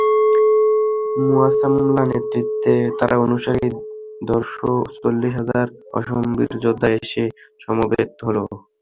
মুসায়লামার নেতৃত্বে তার অনুসারী দুধর্ষ চল্লিশ হাজার অসম বীরযোদ্ধা এসে সমবেত হল।